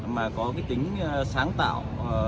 mà có cái tính sáng tạo